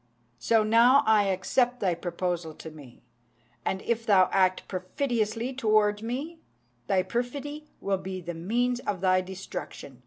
So now I accept thy proposal to me, and if thou act perfidiously towards me, thy perfidy will be the means of thy destruction."